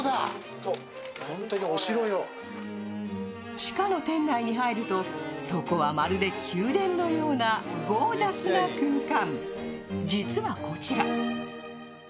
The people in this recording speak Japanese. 地下の店内に入ると、そこはまるで宮殿のようなゴージャスな空間。